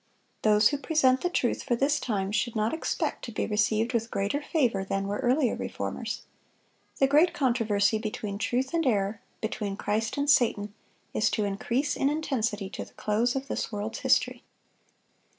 Those who present the truth for this time should not expect to be received with greater favor than were earlier reformers. The great controversy between truth and error, between Christ and Satan, is to increase in intensity to the close of this world's history.